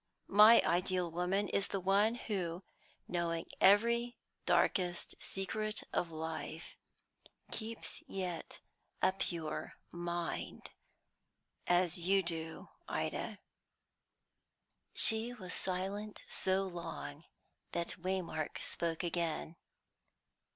My ideal woman is the one who, knowing every darkest secret of life, keeps yet a pure mind as you do, Ida." She was silent so long that Waymark spoke again.